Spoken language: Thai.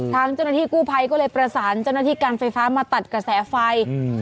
ทางเจ้าหน้าที่กู้ภัยก็เลยประสานเจ้าหน้าที่การไฟฟ้ามาตัดกระแสไฟอืม